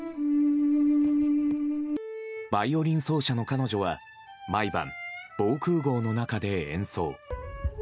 バイオリン奏者の彼女は毎晩、防空壕の中で演奏。